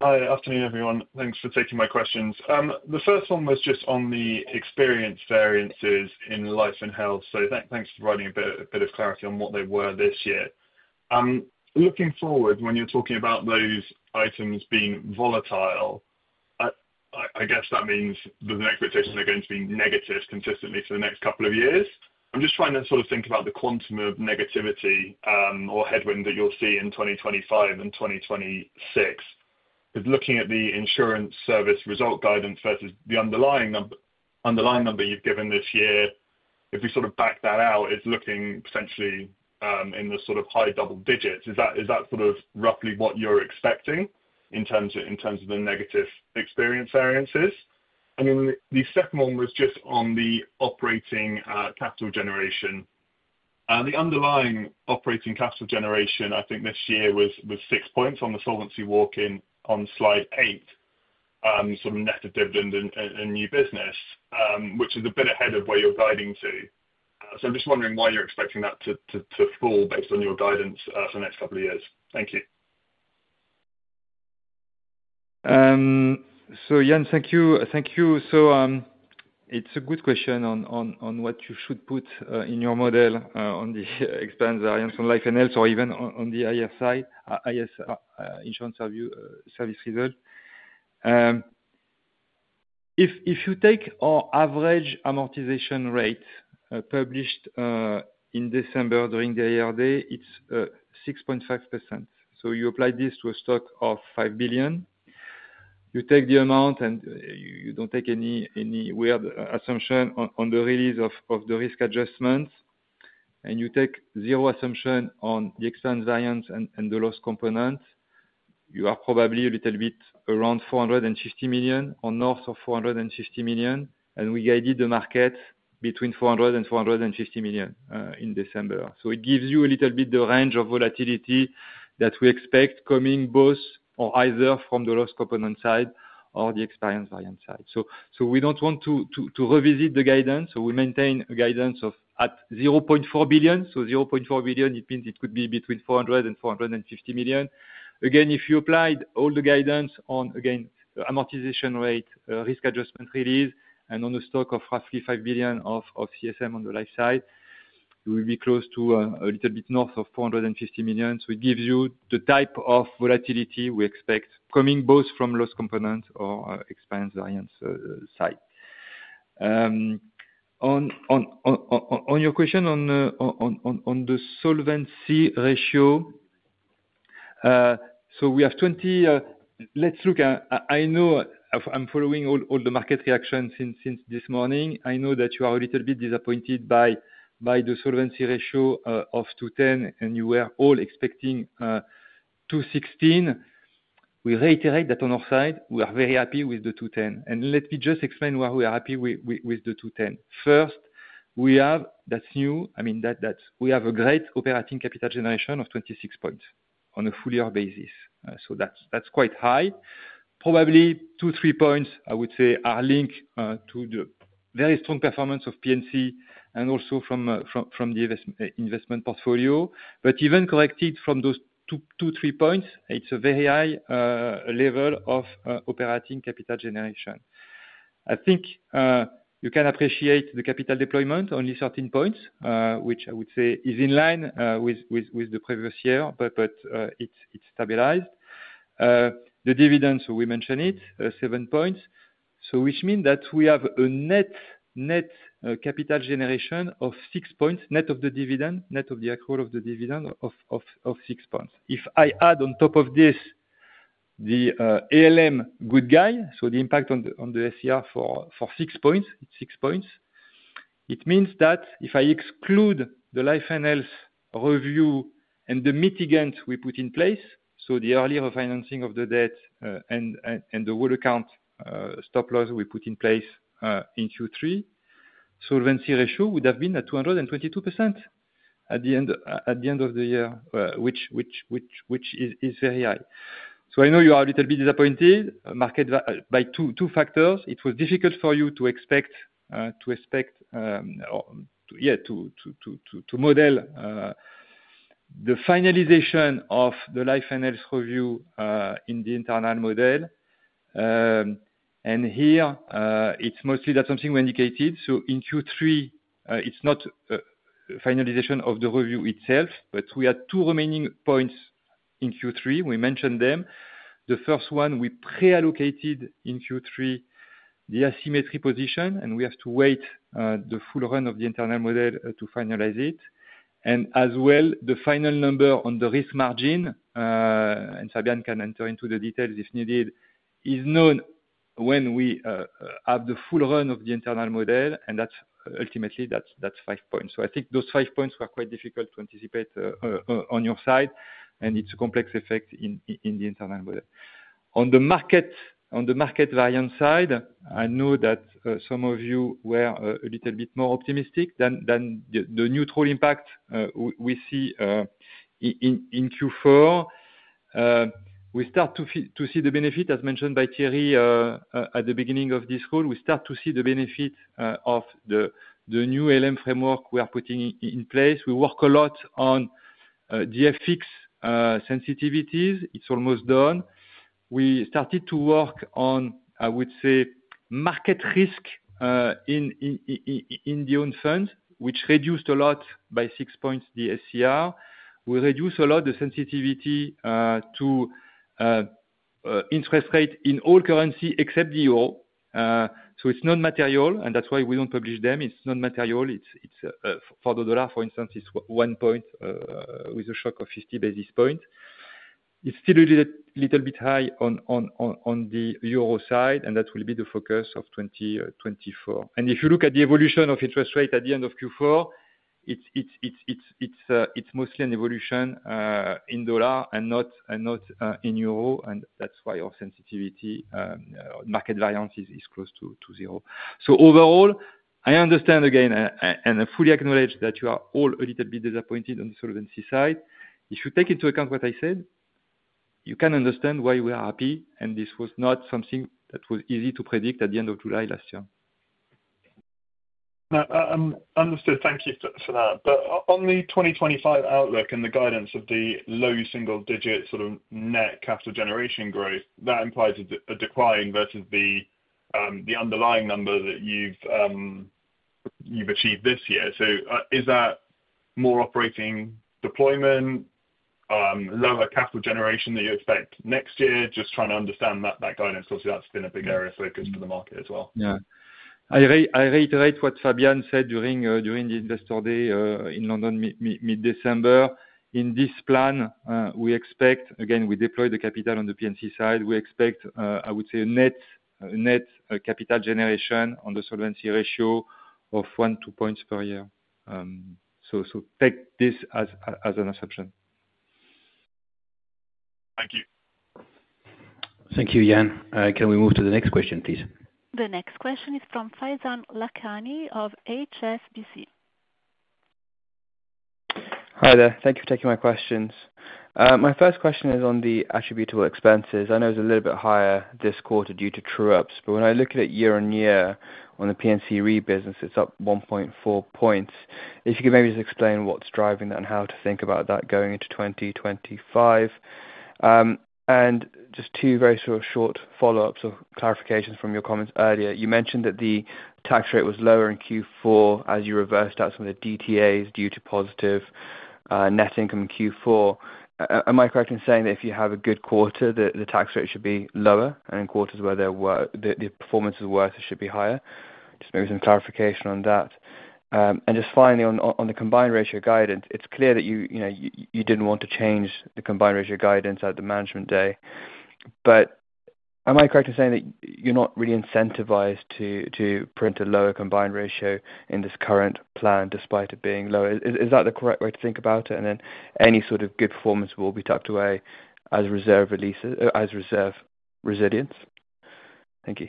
Hi. Afternoon, everyone. Thanks for taking my questions. The first one was just on the experience variances in Life and Health. So thanks for providing a bit of clarity on what they were this year. Looking forward, when you're talking about those items being volatile, I guess that means the expectations are going to be negative consistently for the next couple of years. I'm just trying to sort of think about the quantum of negativity or headwind that you'll see in 2025 and 2026. Looking at the Insurance Service Result guidance versus the underlying number you've given this year, if we sort of back that out, it's looking potentially in the sort of high double digits. Is that sort of roughly what you're expecting in terms of the negative experience variances? And then the second one was just on the operating capital generation. The underlying operating capital generation, I think this year was six points on the solvency walk-in on slide 8, sort of net of dividend and new business, which is a bit ahead of where you're guiding to. So I'm just wondering why you're expecting that to fall based on your guidance for the next couple of years. Thank you. So, Ian, thank you. So it's a good question on what you should put in your model on the expense variance on Life and Health or even on the ISR, IS Insurance Service result. If you take our average amortization rate published in December during the Investor Day, it's 6.5%. So you apply this to a stock of €5 billion. You take the amount, and you don't take any weird assumption on the release of the risk adjustments. And you take zero assumption on the expense variance and the loss component. You are probably a little bit around 450 million or north of 450 million. And we guided the market between 400 million and 450 million in December. So it gives you a little bit the range of volatility that we expect coming both or either from the loss component side or the experience variance side. So we don't want to revisit the guidance. So we maintain a guidance of at 0.4 billion. So 0.4 billion, it means it could be between 400 million and 450 million. Again, if you applied all the guidance on, again, amortization rate, risk adjustment release, and on a stock of roughly 5 billion of CSM on the life side, we would be close to a little bit north of 450 million. So it gives you the type of volatility we expect coming both from loss component or expense variance side. On your question on the solvency ratio, so we have 20. Let's look. I know I'm following all the market reactions since this morning. I know that you are a little bit disappointed by the solvency ratio of 210, and you were all expecting 216. We reiterate that on our side, we are very happy with the 210. And let me just explain why we are happy with the 210. First, we have. That's new. I mean, we have a great operating capital generation of 26 points on a full year basis. So that's quite high. Probably two, three points, I would say, are linked to the very strong performance of P&C and also from the investment portfolio. But even corrected from those two, three points, it's a very high level of operating capital generation. I think you can appreciate the capital deployment, only 13 points, which I would say is in line with the previous year, but it's stabilized. The dividend, so we mentioned it, 7 points. So which means that we have a net capital generation of 6 points, net of the dividend, net of the accrual of the dividend of 6 points. If I add on top of this the ALM good guy, so the impact on the SCR for 6 points, it's 6 points. It means that if I exclude the Life and Health review and the mitigant we put in place, so the early refinancing of the debt and the whole account stop loss we put in place in Q3, solvency ratio would have been at 222% at the end of the year, which is very high. So I know you are a little bit disappointed by two factors. It was difficult for you to expect or, yeah, to model the finalization of the Life and Health review in the internal model. And here, it's mostly that something we indicated. So in Q3, it's not finalization of the review itself, but we had two remaining points in Q3. We mentioned them. The first one, we pre-allocated in Q3 the asymmetry position, and we have to wait the full run of the internal model to finalize it. And as well, the final number on the risk margin, and François can enter into the details if needed, is known when we have the full run of the internal model, and ultimately, that's five points. So I think those five points were quite difficult to anticipate on your side, and it's a complex effect in the internal model. On the market variance side, I know that some of you were a little bit more optimistic than the neutral impact we see in Q4. We start to see the benefit, as mentioned by Thierry at the beginning of this call. We start to see the benefit of the new ALM framework we are putting in place. We work a lot on the FX sensitivities. It's almost done. We started to work on, I would say, market risk in the own funds, which reduced a lot by 6 points the SCR. We reduced a lot the sensitivity to interest rate in all currency except the euro. So it's non-material, and that's why we don't publish them. It's non-material. For the dollar, for instance, it's 1 point with a shock of 50 basis points. It's still a little bit high on the euro side, and that will be the focus of 2024. And if you look at the evolution of interest rate at the end of Q4, it's mostly an evolution in dollar and not in euro, and that's why our sensitivity, market variance is close to zero. So overall, I understand, again, and I fully acknowledge that you are all a little bit disappointed on the solvency side. If you take into account what I said, you can understand why we are happy, and this was not something that was easy to predict at the end of July last year. Understood. Thank you for that. But on the 2025 outlook and the guidance of the low single-digit sort of net capital generation growth, that implies a decline versus the underlying number that you've achieved this year. So is that more operating deployment, lower capital generation that you expect next year? Just trying to understand that guidance. Obviously, that's been a big area of focus for the market as well. Yeah. I reiterate whatFrançois said during the investor day in London mid-December. In this plan, we expect, again, we deploy the capital on the P&C side. We expect, I would say, a net capital generation on the solvency ratio of 1-2 points per year. So take this as an assumption. Thank you. Thank you, Ian. Can we move to the next question, please? The next question is from Faizan Lakhani of HSBC. Hi there. Thank you for taking my questions. My first question is on the attributable expenses. I know it's a little bit higher this quarter due to true-ups, but when I look at it year on year on the P&C rebusiness, it's up 1.4 points. If you could maybe just explain what's driving that and how to think about that going into 2025. And just two very short follow-ups or clarifications from your comments earlier. You mentioned that the tax rate was lower in Q4 as you reversed out some of the DTAs due to positive net income in Q4. Am I correct in saying that if you have a good quarter, the tax rate should be lower, and in quarters where the performance is worse, it should be higher? Just maybe some clarification on that. And just finally, on the combined ratio guidance, it's clear that you didn't want to change the combined ratio guidance at the Investor Day. But am I correct in saying that you're not really incentivized to print a lower combined ratio in this current plan despite it being lower? Is that the correct way to think about it? And then any sort of good performance will be tucked away as reserve resilience. Thank you.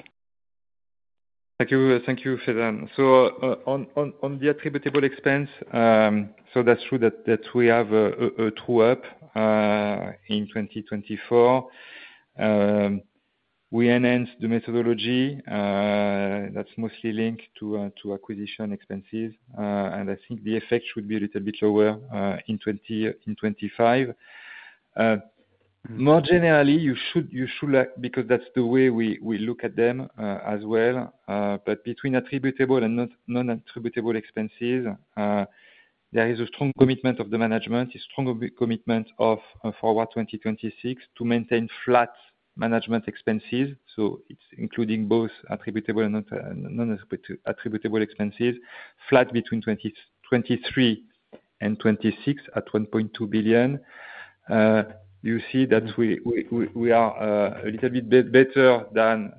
Thank you, Faizan. So on the attributable expense, so that's true that we have a true-up in 2024. We enhanced the methodology. That's mostly linked to acquisition expenses. And I think the effect should be a little bit lower in 2025. More generally, you should, because that's the way we look at them as well. But between attributable and non-attributable expenses, there is a strong commitment of the management, a strong commitment for Forward 2026 to maintain flat management expenses. So it's including both attributable and non-attributable expenses, flat between 2023 and 2026 at €1.2 billion. You see that we are a little bit better than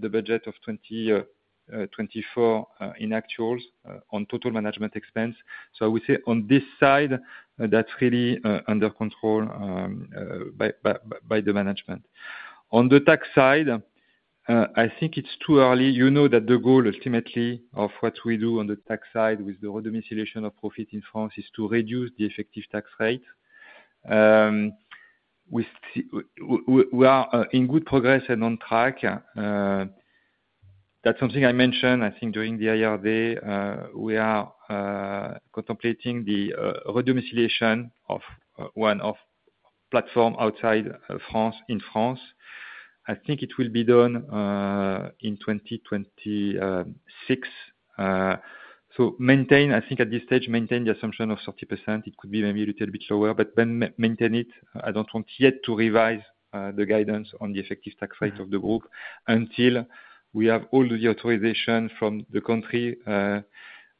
the budget of 2024 in actuals on total management expense. So I would say on this side, that's really under control by the management. On the tax side, I think it's too early. You know that the goal ultimately of what we do on the tax side with the re-domiciliation of profit in France is to reduce the effective tax rate. We are in good progress and on track. That's something I mentioned, I think, during the Investor Day. We are contemplating the re-domiciliation of one of platforms outside in France. I think it will be done in 2026. So maintain, I think at this stage, maintain the assumption of 30%. It could be maybe a little bit lower, but maintain it. I don't want yet to revise the guidance on the effective tax rate of the group until we have all the authorization from the country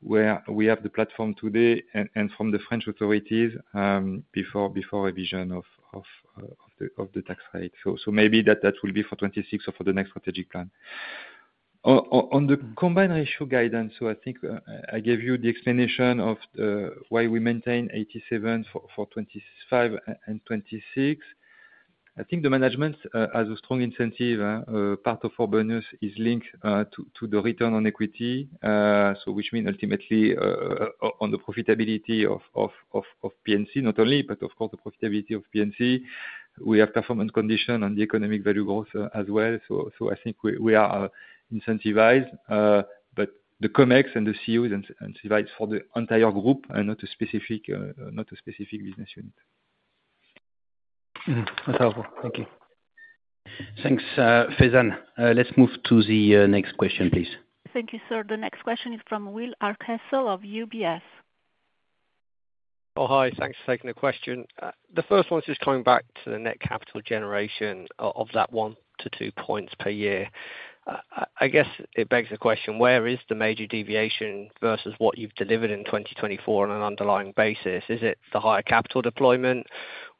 where we have the platform today and from the French authorities before revision of the tax rate. Maybe that will be for 2026 or for the next strategic plan. On the combined ratio guidance, I think I gave you the explanation of why we maintain 87% for 2025 and 2026. I think the management has a strong incentive. Part of our bonus is linked to the return on equity, which means ultimately on the profitability of P&C, not only, but of course, the profitability of P&C. We have performance condition on the economic value growth as well. I think we are incentivized, but the COMEX and the CEO is incentivized for the entire group and not a specific business unit. That's helpful. Thank you. Thanks, Faizan. Let's move to the next question, please. Thank you, sir. The next question is from Will Hardcastle of UBS. Oh, hi. Thanks for taking the question. The first one's just coming back to the net capital generation of that 1-2 points per year. I guess it begs the question, where is the major deviation versus what you've delivered in 2024 on an underlying basis? Is it the higher capital deployment,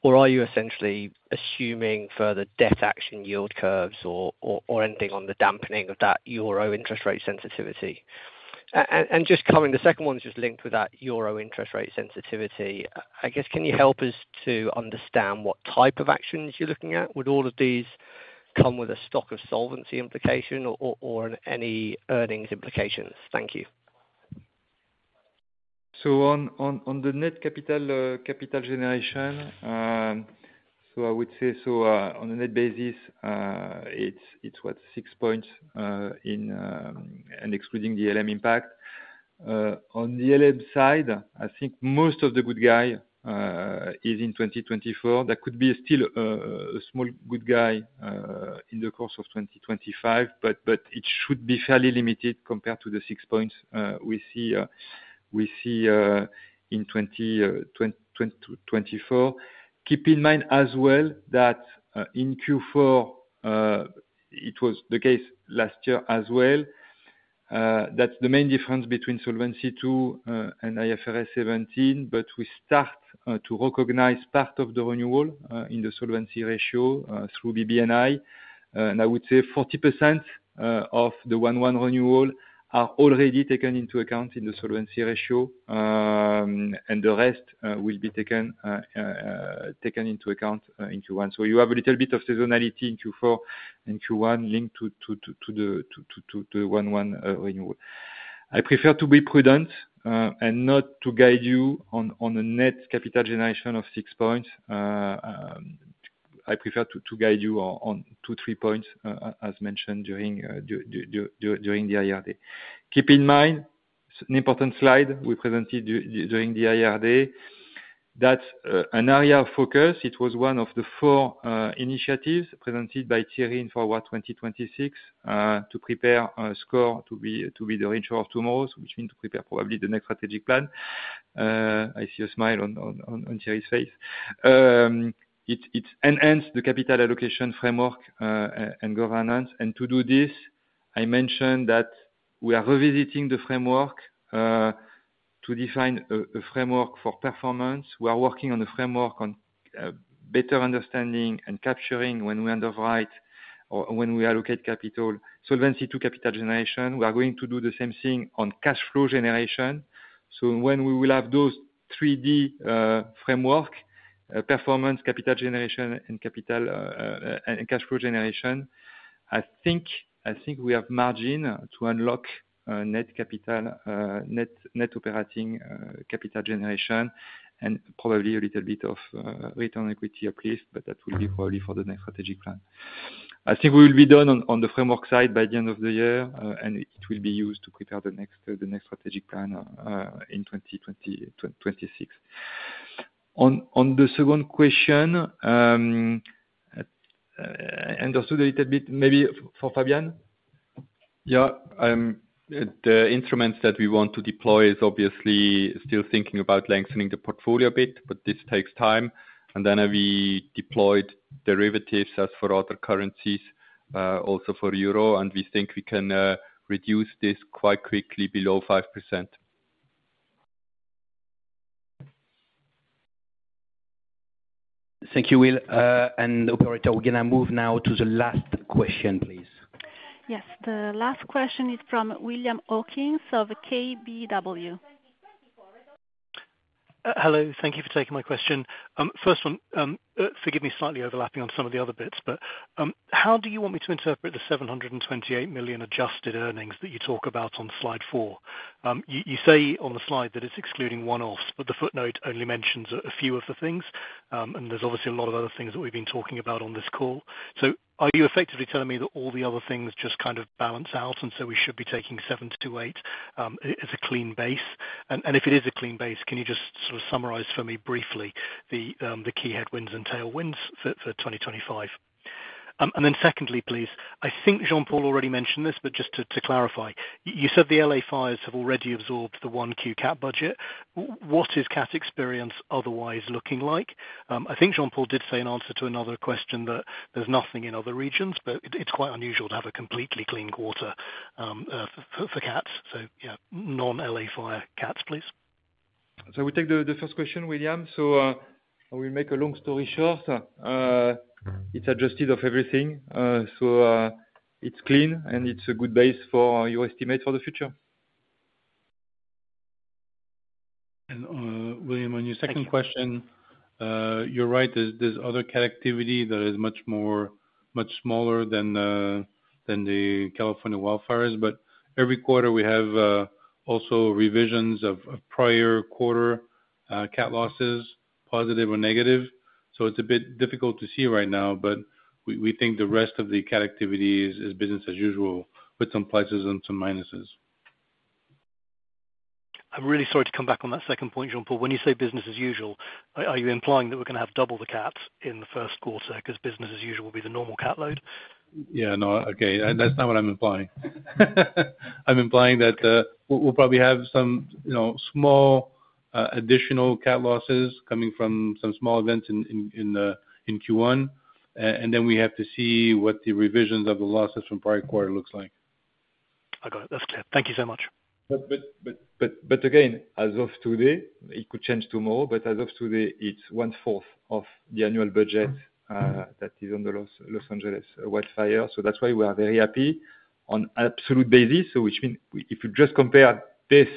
or are you essentially assuming further dislocation yield curves or ending on the dampening of that Euro interest rate sensitivity? And just coming, the second one's just linked with that Euro interest rate sensitivity. I guess, can you help us to understand what type of actions you're looking at? Would all of these come with a solvency implication or any earnings implications? Thank you. So on the net capital generation, I would say on a net basis, it's 6 points excluding the L&H impact. On the L&H side, I think most of the upside is in 2024. There could still be a small upside in the course of 2025, but it should be fairly limited compared to the 6 points we see in 2024. Keep in mind as well that in Q4, it was the case last year as well. That's the main difference between Solvency II and IFRS 17, but we start to recognize part of the renewal in the solvency ratio through BBNI, and I would say 40% of the 1/1 renewal are already taken into account in the solvency ratio, and the rest will be taken into account in Q1. You have a little bit of seasonality in Q4 and Q1 linked to the 1/1 renewal. I prefer to be prudent and not to guide you on a net capital generation of six points. I prefer to guide you on 2-3 points, as mentioned during the Investor Day. Keep in mind, an important slide we presented during the Investor Day, that's an area of focus. It was one of the four initiatives presented by Thierry in Forward 2026 to prepare SCOR to be the range of tomorrow, which means to prepare probably the next strategic plan. I see a smile on Thierry's face. It enhanced the capital allocation framework and governance. To do this, I mentioned that we are revisiting the framework to define a framework for performance. We are working on a framework on better understanding and capturing when we underwrite or when we allocate capital. Solvency II capital generation, we are going to do the same thing on cash flow generation. So when we will have those 3D framework, performance, capital generation, and cash flow generation, I think we have margin to unlock net operating capital generation and probably a little bit of return on equity at least, but that will be probably for the next strategic plan. I think we will be done on the framework side by the end of the year, and it will be used to prepare the next strategic plan in 2026. On the second question, I understood a little bit. Maybe forFrançois? Yeah. The instruments that we want to deploy is obviously still thinking about lengthening the portfolio a bit, but this takes time. And then we deployed derivatives as for other currencies, also for euro, and we think we can reduce this quite quickly below 5%. Thank you, Will. And we're going to move now to the last question, please. Yes. The last question is from William Hawkins of KBW. Hello. Thank you for taking my question. First one, forgive me slightly overlapping on some of the other bits, but how do you want me to interpret the 728 million adjusted earnings that you talk about on slide four? You say on the slide that it's excluding one-offs, but the footnote only mentions a few of the things, and there's obviously a lot of other things that we've been talking about on this call. So are you effectively telling me that all the other things just kind of balance out, and so we should be taking 728 as a clean base? And if it is a clean base, can you just sort of summarize for me briefly the key headwinds and tailwinds for 2025? Then secondly, please, I think Jean-Paul already mentioned this, but just to clarify, you said the LA fires have already absorbed the Q1 CAT budget. What is CAT experience otherwise looking like? I think Jean-Paul did say in answer to another question that there's nothing in other regions, but it's quite unusual to have a completely clean quarter for CATs. Non-LA fire CATs, please. We take the first question, William. I will make a long story short. It's adjusted for everything. It's clean, and it's a good base for your estimate for the future. William, on your second question, you're right. There's other CAT activity that is much smaller than the California wildfires, but every quarter we have also revisions of prior quarter CAT losses, positive or negative. So it's a bit difficult to see right now, but we think the rest of the CAT activity is business as usual with some pluses and some minuses. I'm really sorry to come back on that second point, Jean-Paul. When you say business as usual, are you implying that we're going to have double the CATs in the first quarter because business as usual will be the normal CAT load? Yeah. No, okay. That's not what I'm implying. I'm implying that we'll probably have some small additional CAT losses coming from some small events in Q1, and then we have to see what the revisions of the losses from prior quarter looks like. I got it. That's clear. Thank you so much. But again, as of today, it could change tomorrow, but as of today, it's one-fourth of the annual budget that is on the Los Angeles wildfire. So that's why we are very happy on absolute basis, which means if you just compare this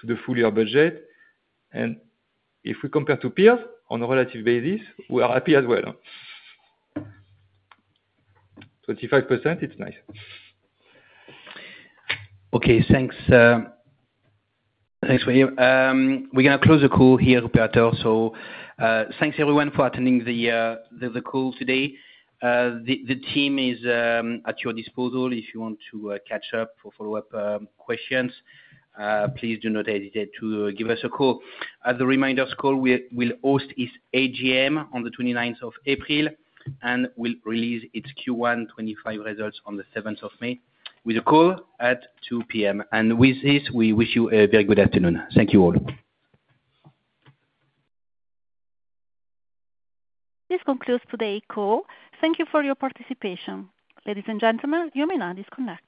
to the full year budget, and if we compare to peers on a relative basis, we are happy as well. 25%, it's nice. Okay. Thanks. Thanks, William. We're going to close the call here, Roberto. So thanks everyone for attending the call today. The team is at your disposal. If you want to catch up for follow-up questions, please do not hesitate to give us a call. As a reminder, SCOR will host its AGM on the 29th of April, and we'll release its Q1 2025 results on the 7th of May with a call at 2:00 P.M. And with this, we wish you a very good afternoon. Thank you all. This concludes today's call. Thank you for your participation. Ladies and gentlemen, you may now disconnect.